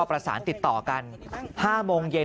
ประสานติดต่อกัน๕โมงเย็น